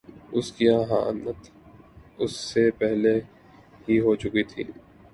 اس کی اہانت اس سے پہلے ہی ہو چکی تھی۔